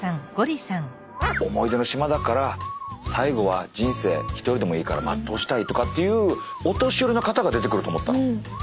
思い出の島だから最後は人生１人でもいいから全うしたいとかっていうお年寄りの方が出てくると思ったの。